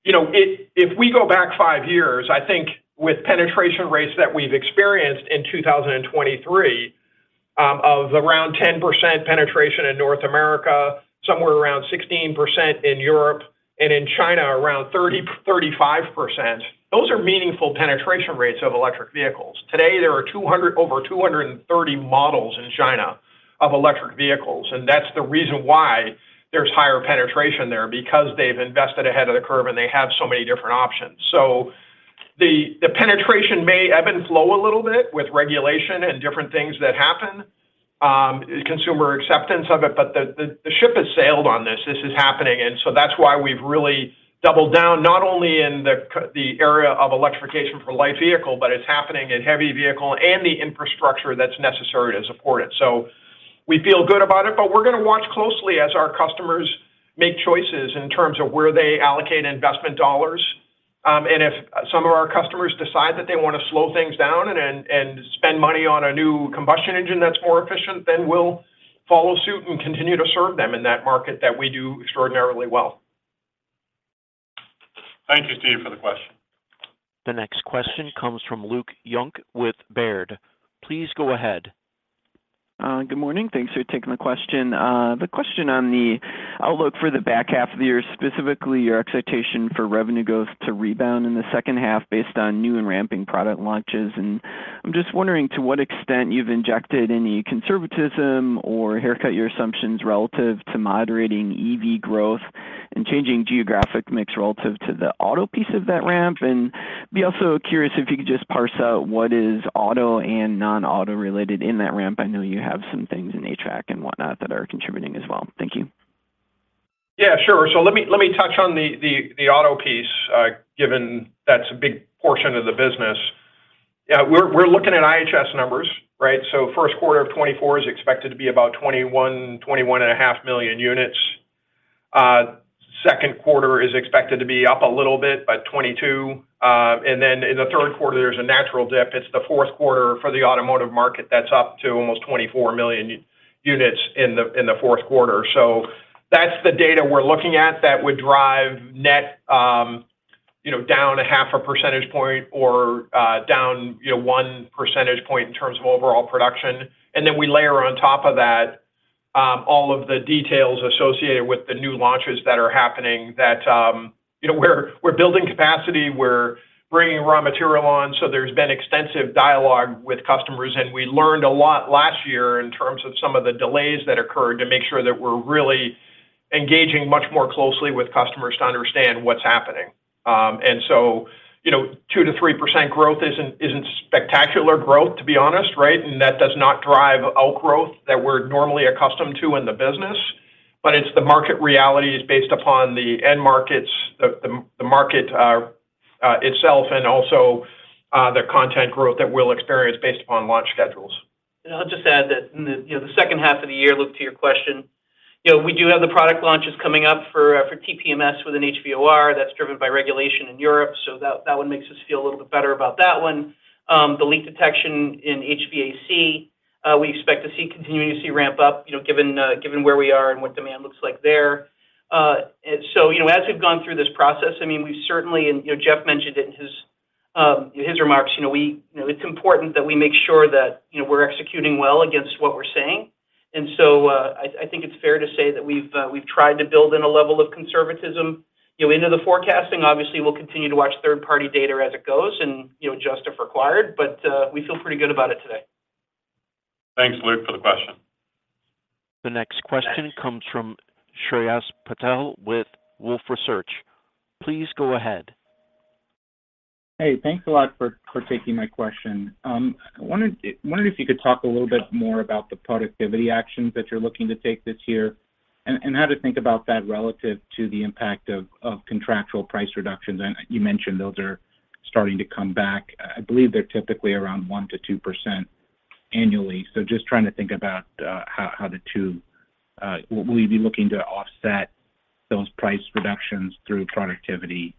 You know, if we go back five years, I think with penetration rates that we've experienced in 2023, of around 10% penetration in North America, somewhere around 16% in Europe, and in China, around 30%-35%, those are meaningful penetration rates of electric vehicles. Today, there are over 230 models in China of electric vehicles, and that's the reason why there's higher penetration there, because they've invested ahead of the curve, and they have so many different options. So the penetration may ebb and flow a little bit with regulation and different things that happen, consumer acceptance of it, but the ship has sailed on this. This is happening, and so that's why we've really doubled down, not only in the area of electrification for light vehicle, but it's happening in heavy vehicle and the infrastructure that's necessary to support it. So we feel good about it, but we're gonna watch closely as our customers make choices in terms of where they allocate investment dollars. And if some of our customers decide that they want to slow things down and spend money on a new combustion engine that's more efficient, then we'll follow suit and continue to serve them in that market that we do extraordinarily well. Thank you, Steve, for the question. The next question comes from Luke Junk with Baird. Please go ahead. Good morning. Thanks for taking the question. The question on the outlook for the back half of the year, specifically your expectation for revenue growth to rebound in the second half based on new and ramping product launches. And I'm just wondering to what extent you've injected any conservatism or haircut your assumptions relative to moderating EV growth and changing geographic mix relative to the auto piece of that ramp? And be also curious if you could just parse out what is auto and non-auto related in that ramp. I know you have some things in HVAC and whatnot that are contributing as well. Thank you. Yeah, sure. So let me touch on the auto piece, given that's a big portion of the business. Yeah, we're looking at IHS numbers, right? So first quarter of 2024 is expected to be about 21.5 million units. Second quarter is expected to be up a little bit by 22, and then in the third quarter, there's a natural dip. It's the fourth quarter for the automotive market that's up to almost 24 million units in the fourth quarter. So that's the data we're looking at that would drive net, you know, down a half a percentage point or down, you know, one percentage point in terms of overall production. And then we layer on top of that, all of the details associated with the new launches that are happening that, you know, we're building capacity, we're bringing raw material on. So there's been extensive dialogue with customers, and we learned a lot last year in terms of some of the delays that occurred to make sure that we're really engaging much more closely with customers to understand what's happening. You know, 2%-3% growth isn't spectacular growth, to be honest, right? And that does not drive out growth that we're normally accustomed to in the business. But it's the market reality based upon the end markets, the market itself, and also the content growth that we'll experience based upon launch schedules. I'll just add that in the, you know, the second half of the year, Luke, to your question, you know, we do have the product launches coming up for TPMS within HVOR that's driven by regulation in Europe, so that one makes us feel a little bit better about that one. The leak detection in HVAC we expect to see continue to see ramp up, you know, given where we are and what demand looks like there. And so, you know, as we've gone through this process, I mean, we've certainly, and, you know, Jeff mentioned it in his remarks, you know, we, you know, it's important that we make sure that, you know, we're executing well against what we're saying. And so, I think it's fair to say that we've tried to build in a level of conservatism, you know, into the forecasting. Obviously, we'll continue to watch third-party data as it goes and, you know, adjust if required, but we feel pretty good about it today. Thanks, Luke, for the question. The next question comes from Shreyas Patil with Wolfe Research. Please go ahead. Hey, thanks a lot for taking my question. I wondered if you could talk a little bit more about the productivity actions that you're looking to take this year, and how to think about that relative to the impact of contractual price reductions. And you mentioned those are starting to come back. I believe they're typically around 1%-2% annually. So just trying to think about how the two... Will you be looking to offset those price reductions through productivity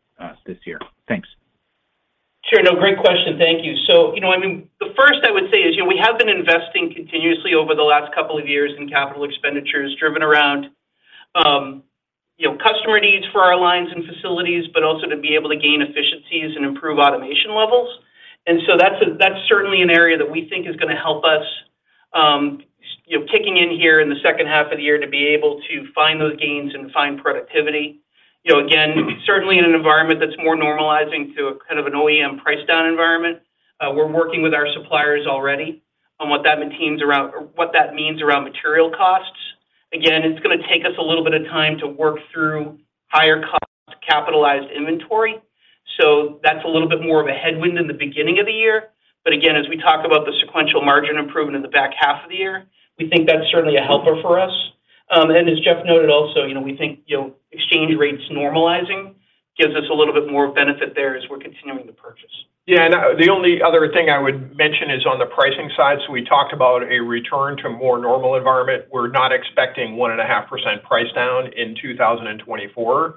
this year? Thanks. Sure. No, great question. Thank you. So, you know, I mean, the first I would say is, you know, we have been investing continuously over the last couple of years in capital expenditures, driven around, you know, customer needs for our lines and facilities, but also to be able to gain efficiencies and improve automation levels. And so that's, that's certainly an area that we think is gonna help us, you know, kicking in here in the second half of the year to be able to find those gains and find productivity. You know, again, certainly in an environment that's more normalizing to a kind of an OEM price down environment, we're working with our suppliers already on what that means around material costs. Again, it's gonna take us a little bit of time to work through higher cost capitalized inventory, so that's a little bit more of a headwind in the beginning of the year. But again, as we talk about the sequential margin improvement in the back half of the year, we think that's certainly a helper for us. And as Jeff noted also, you know, we think, you know, exchange rates normalizing gives us a little bit more benefit there as we're continuing the purchase. Yeah, and the only other thing I would mention is on the pricing side. So we talked about a return to a more normal environment. We're not expecting 1.5% price down in 2024,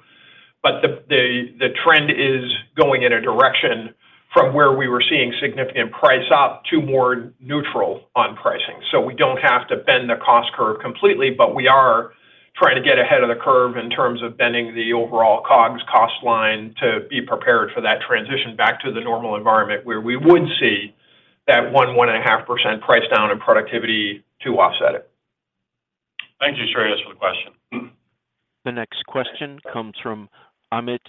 but the trend is going in a direction from where we were seeing significant price up to more neutral on pricing. So we don't have to bend the cost curve completely, but we are trying to get ahead of the curve in terms of bending the overall COGS cost line to be prepared for that transition back to the normal environment, where we would see that 1.5% price down in productivity to offset it. Thank you, Shreyas, for the question. The next question comes from Amit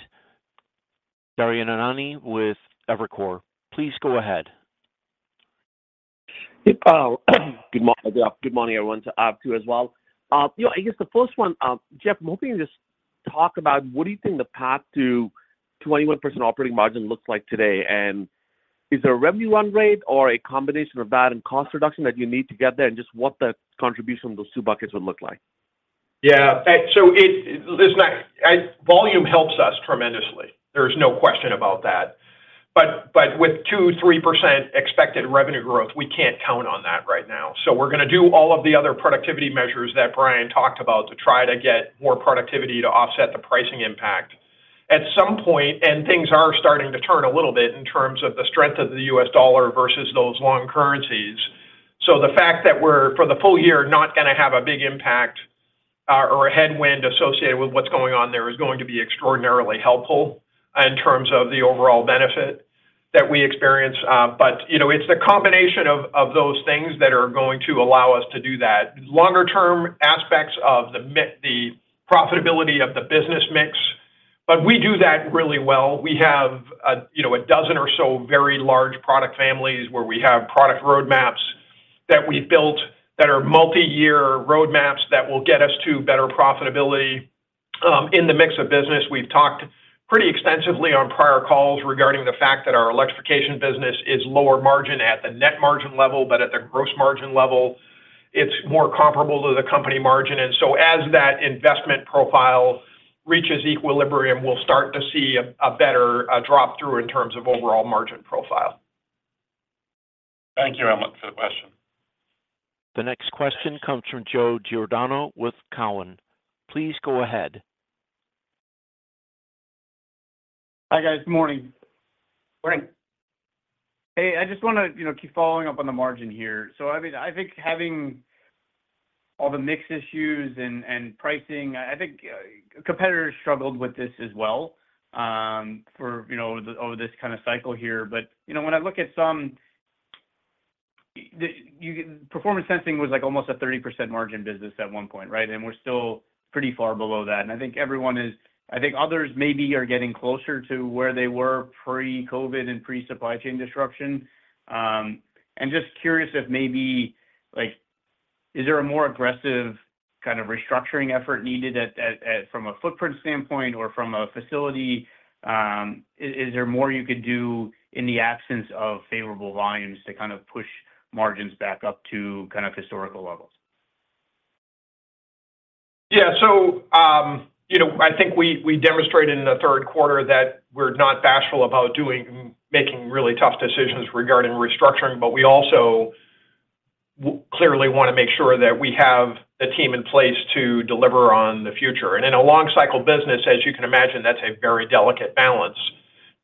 Daryanani with Evercore. Please go ahead. Good morning, everyone, to those of you as well. You know, I guess the first one, Jeff, maybe just talk about what do you think the path to 21% operating margin looks like today? And is there a revenue run rate or a combination of that and cost reduction that you need to get there, and just what the contribution of those two buckets would look like? Yeah, so listen, volume helps us tremendously. There's no question about that. But with 2%-3% expected revenue growth, we can't count on that right now. So we're going to do all of the other productivity measures that Brian talked about to try to get more productivity to offset the pricing impact. At some point, and things are starting to turn a little bit in terms of the strength of the U.S. dollar versus those foreign currencies. So the fact that we're, for the full year, not gonna have a big impact, or a headwind associated with what's going on there is going to be extraordinarily helpful in terms of the overall benefit that we experience. But, you know, it's the combination of those things that are going to allow us to do that. Longer-term aspects of the profitability of the business mix, but we do that really well. We have a, you know, a dozen or so very large product families where we have product roadmaps that we've built that are multi-year roadmaps that will get us to better profitability in the mix of business. We've talked pretty extensively on prior calls regarding the fact that our electrification business is lower margin at the net margin level, but at the gross margin level, it's more comparable to the company margin. And so as that investment profile reaches equilibrium, we'll start to see a better drop-through in terms of overall margin profile. Thank you, Amit, for the question. The next question comes from Joe Giordano with Cowen. Please go ahead. Hi, guys. Morning. Morning. Hey, I just want to, you know, keep following up on the margin here. So I mean, I think having all the mix issues and pricing, I think competitors struggled with this as well, for, you know, over this kind of cycle here. But, you know, when I look at the Performance Sensing was like almost a 30% margin business at one point, right? And we're still pretty far below that. And I think others maybe are getting closer to where they were pre-COVID and pre-supply chain disruption. I'm just curious if maybe, like, is there a more aggressive kind of restructuring effort needed from a footprint standpoint or from a facility? Is there more you could do in the absence of favorable volumes to kind of push margins back up to kind of historical levels? Yeah. So, you know, I think we demonstrated in the third quarter that we're not bashful about making really tough decisions regarding restructuring, but we also clearly want to make sure that we have the team in place to deliver on the future. In a long cycle business, as you can imagine, that's a very delicate balance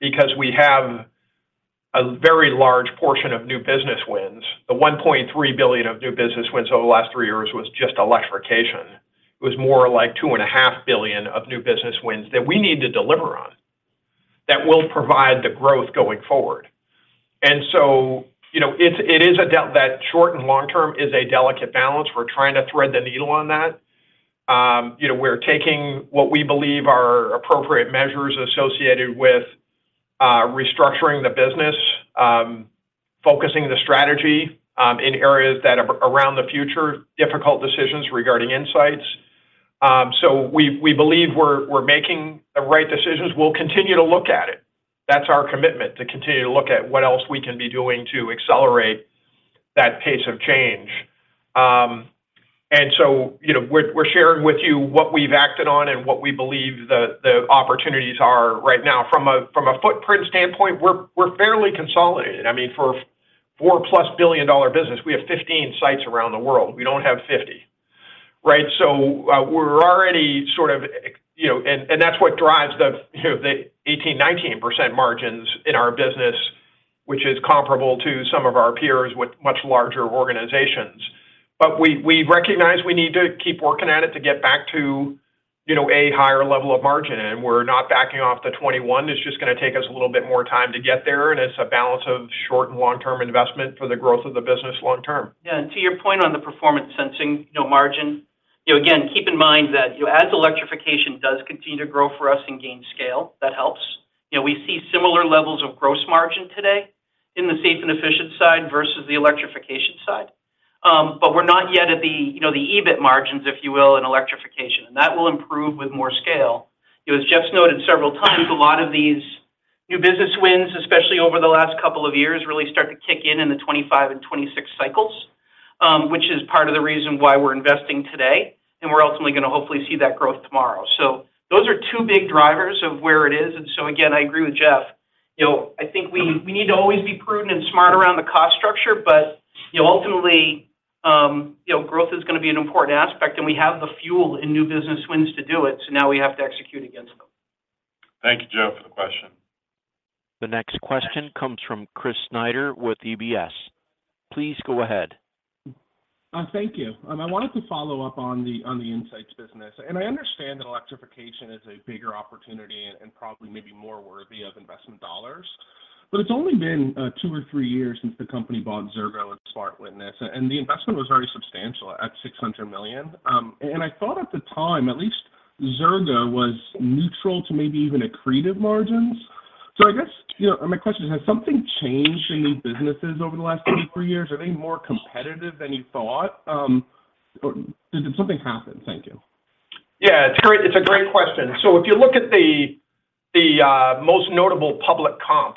because we have a very large portion of new business wins. The $1.3 billion of new business wins over the last three years was just electrification. It was more like $2.5 billion of new business wins that we need to deliver on, that will provide the growth going forward. So, you know, it is a delicate balance, that short and long term is a delicate balance. We're trying to thread the needle on that. You know, we're taking what we believe are appropriate measures associated with restructuring the business, focusing the strategy in areas that are around the future, difficult decisions regarding Insights. So we believe we're making the right decisions. We'll continue to look at it. That's our commitment, to continue to look at what else we can be doing to accelerate that pace of change. And so, you know, we're sharing with you what we've acted on and what we believe the opportunities are right now. From a footprint standpoint, we're fairly consolidated. I mean, for $4+ billion business, we have 15 sites around the world. We don't have 50, right? So, we're already sort of, you know, and that's what drives the, you know, the 18%-19% margins in our business, which is comparable to some of our peers with much larger organizations. But we recognize we need to keep working at it to get back to, you know, a higher level of margin, and we're not backing off the 21. It's just gonna take us a little bit more time to get there, and it's a balance of short and long-term investment for the growth of the business long term. Yeah, and to your point on the Performance Sensing, no margin. You know, again, keep in mind that as electrification does continue to grow for us and gain scale, that helps. You know, we see similar levels of gross margin today in the safe and efficient side versus the electrification side. But we're not yet at the, you know, the EBIT margins, if you will, in electrification, and that will improve with more scale. As Jeff's noted several times, a lot of these new business wins, especially over the last couple of years, really start to kick in in the 25 and 26 cycles, which is part of the reason why we're investing today, and we're ultimately going to hopefully see that growth tomorrow. So those are two big drivers of where it is. And so again, I agree with Jeff. You know, I think we need to-... smart around the cost structure, but, you know, ultimately, you know, growth is going to be an important aspect, and we have the fuel in new business wins to do it, so now we have to execute against them. Thank you, Jeff, for the question. The next question comes from Chris Snyder with UBS. Please go ahead. Thank you. I wanted to follow up on the insights business, and I understand that electrification is a bigger opportunity and, and probably maybe more worthy of investment dollars. But it's only been two or three years since the company bought Xirgo and SmartWitness, and the investment was very substantial at $600 million. I thought at the time, at least Xirgo was neutral to maybe even accretive margins. I guess, you know, my question is, has something changed in these businesses over the last two, three years? Are they more competitive than you thought? Or did something happen? Thank you. Yeah, it's a great question. So if you look at the most notable public comp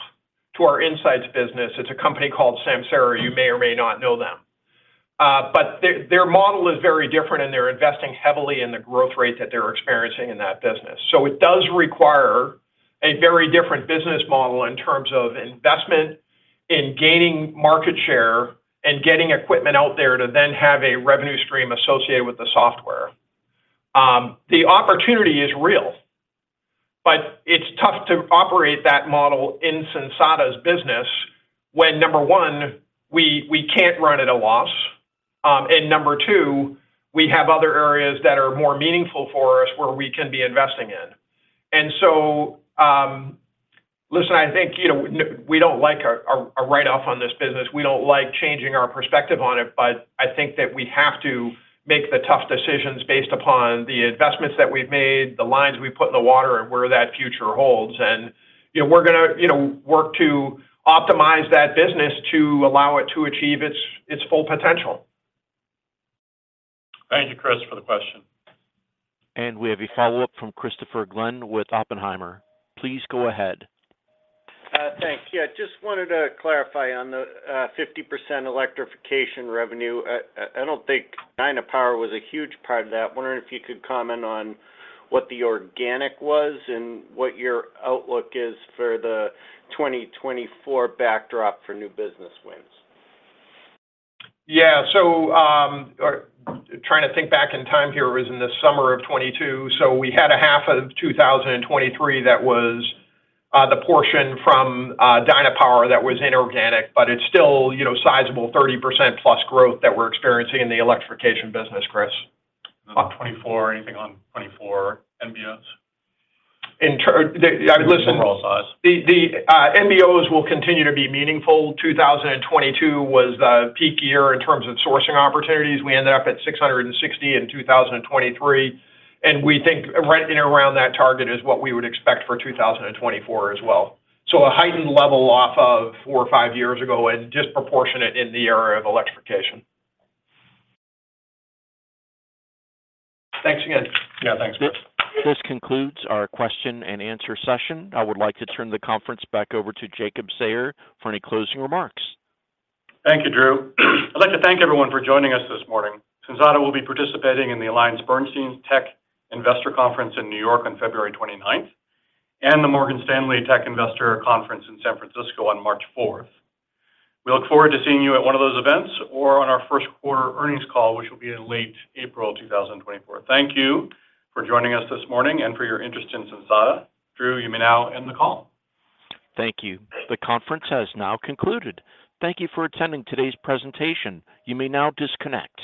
to our Insights business, it's a company called Samsara. You may or may not know them. But their model is very different, and they're investing heavily in the growth rate that they're experiencing in that business. So it does require a very different business model in terms of investment, in gaining market share, and getting equipment out there to then have a revenue stream associated with the software. The opportunity is real, but it's tough to operate that model in Sensata's business when, number one, we can't run at a loss, and number two, we have other areas that are more meaningful for us where we can be investing in. And so, listen, I think, you know, we don't like our write-off on this business. We don't like changing our perspective on it, but I think that we have to make the tough decisions based upon the investments that we've made, the lines we've put in the water, and where that future holds. And, you know, we're gonna, you know, work to optimize that business to allow it to achieve its full potential. Thank you, Chris, for the question. We have a follow-up from Christopher Glynn with Oppenheimer. Please go ahead. Thanks. Yeah, just wanted to clarify on the 50% electrification revenue. I don't think Dynapower was a huge part of that. I'm wondering if you could comment on what the organic was and what your outlook is for the 2024 backdrop for new business wins. Yeah. So, trying to think back in time here was in the summer of 2022. So we had a half of 2023 that was the portion from Dynapower that was inorganic, but it's still, you know, sizable 30%+ growth that we're experiencing in the electrification business, Chris. About 24, anything on 24 NBOs? In ter-- The, listen- Overall size. The NBOs will continue to be meaningful. 2022 was the peak year in terms of sourcing opportunities. We ended up at 660 in 2023, and we think right in around that target is what we would expect for 2024 as well. So a heightened level off of four or five years ago and disproportionate in the area of electrification. Thanks again. Yeah, thanks, Chris. This concludes our question and answer session. I would like to turn the conference back over to Jacob Sayer for any closing remarks. Thank you, Drew. I'd like to thank everyone for joining us this morning. Sensata will be participating in the AllianceBernstein Tech Investor Conference in New York on February 29th, and the Morgan Stanley Tech Investor Conference in San Francisco on March 4th. We look forward to seeing you at one of those events or on our first quarter earnings call, which will be in late April of 2024. Thank you for joining us this morning and for your interest in Sensata. Drew, you may now end the call. Thank you. The conference has now concluded. Thank you for attending today's presentation. You may now disconnect.